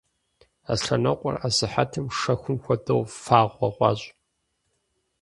Аслъэнокъуэр асыхьэтым шэхум хуэдэу фагъуэ хъуащ.